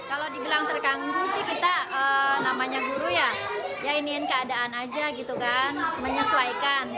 kalau dibilang terganggu sih kita namanya guru ya ya iniin keadaan aja gitu kan menyesuaikan